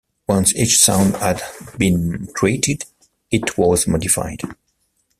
Once each sound had been created, it was modified.